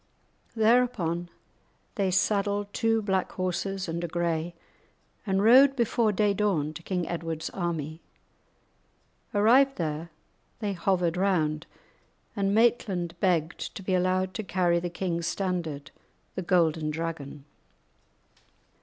Thereupon they saddled two black horses and a grey, and rode before day dawn to King Edward's army. Arrived there, they hovered round, and Maitland begged to be allowed to carry the king's standard, the Golden Dragon.